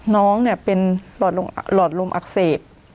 น้องเนี่ยเป็นหลอดลมอักเสบ